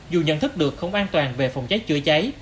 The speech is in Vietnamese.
dù nhận thức được không an toàn về phòng cháy chữa cháy